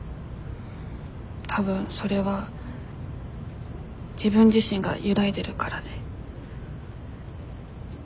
多分それは自分自身が揺らいでるからで。